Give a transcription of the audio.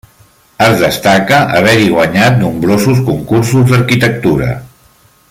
Es destaca haver-hi guanyat nombrosos concursos d'arquitectura.